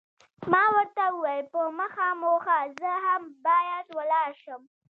ما ورته وویل، په مخه مو ښه، زه هم باید ولاړ شم.